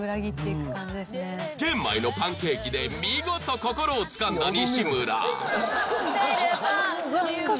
玄米のパンケーキで見事心をつかんだ西邨